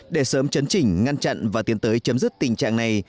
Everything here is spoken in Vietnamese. để sớm chấn chỉnh ngăn chặn và tiến tới chấm dứt tình trạng này